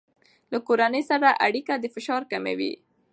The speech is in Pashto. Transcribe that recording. له کورنۍ سره اړیکه د فشار کموي.